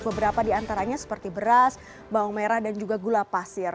beberapa di antaranya seperti beras bawang merah dan juga gula pasir